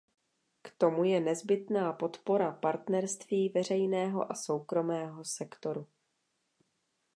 K tomu je nezbytná podpora partnerství veřejného a soukromého sektoru.